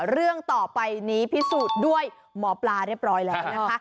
เรื่องต่อไปนี้พิสูจน์ด้วยหมอปลาเรียบร้อยแล้วนะคะ